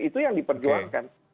itu yang diperjuangkan